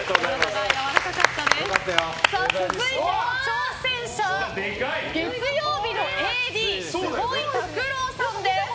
続いての挑戦者は月曜日のＡＤ坪井拓郎さんです。